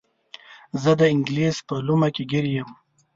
زه د انګلیس په لومه کې ګیر یم.